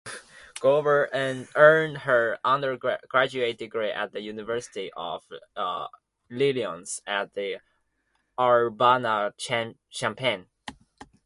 Grover earned her undergraduate degree at the University of Illinois at Urbana–Champaign.